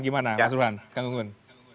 gimana mas buruhan kang gunggun